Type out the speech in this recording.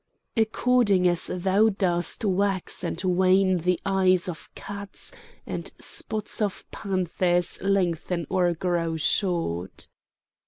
According as thou dost wax and wane the eyes of cats and spots of panthers lengthen or grow short.